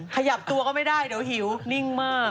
ขยับตัวก็ไม่ได้เดี๋ยวหิวนิ่งมาก